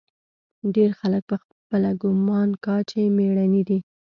ډېر خلق پخپله ګومان کا چې مېړني دي.